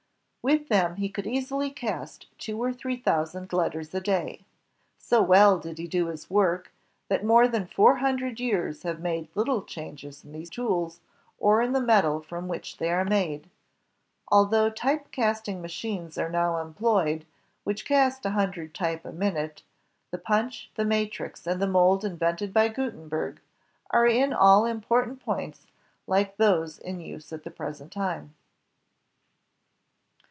With them he could easily cast two or three thousand letters a day. So well did he do his work, that more than four hundred years have made little changes in these tools, or in the metal from which they are made. Although type casting machines are now employed, which cast a hundred type a minute, the punch, the matrix, and the mold invented by Gutenberg are in all important points like those in use at the present time.